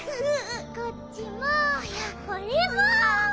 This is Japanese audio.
こっちもこれも。